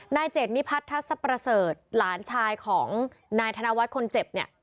นายเจ็ดนิพัฒนทัศประเสริฐหลานชายของนายธนวัฒน์คนเจ็บเนี่ย